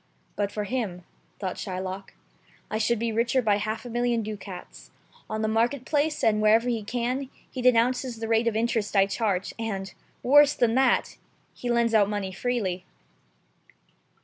"But for him," thought Shylock, "I should be richer by half a million ducats. On the market place, and wherever he can, he denounces the rate of interest I charge, and — ^worse than that — he lends out money freely."